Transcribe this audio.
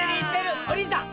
お凛さん